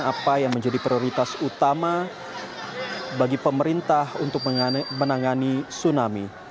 apa yang menjadi prioritas utama bagi pemerintah untuk menangani tsunami